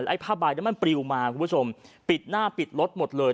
ไอ้ผ้าใบนั้นมันปลิวมาคุณผู้ชมปิดหน้าปิดรถหมดเลย